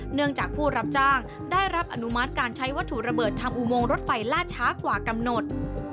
เนื่องจากผู้รับจ้างได้รับอนุมัติการใช้วัตถุระเบิดทำอุโมงรถไฟล่าช้ากว่ากำหนด